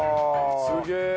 すげえ！